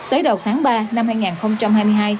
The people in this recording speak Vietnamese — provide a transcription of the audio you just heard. tới đầu tháng ba năm hai nghìn hai mươi hai